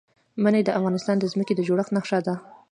منی د افغانستان د ځمکې د جوړښت نښه ده.